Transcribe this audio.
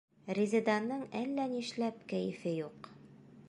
Резеданың әллә ни эшләп кәйефе юҡ.